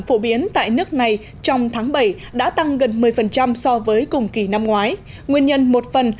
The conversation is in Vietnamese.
phổ biến tại nước này trong tháng bảy đã tăng gần một mươi so với cùng kỳ năm ngoái nguyên nhân một phần